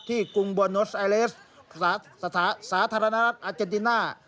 กรุงบอลโนสไอเลสสาธารณรัฐอาเจนติน่า